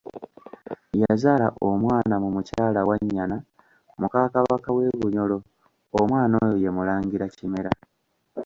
Yazaala omwana mu Mukyala Wannyana muka Kabaka w'e Bunyoro, omwana oyo ye Mulangira Kimera.